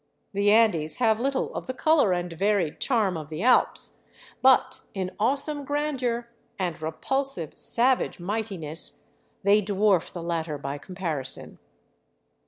The Andes have little of 287 VAGABONDING DOWN THE ANDES the color and varied charm of the Alps ; but in awesome grandeur, and repulsive, savage mightiness they dwarf the latter by comparison.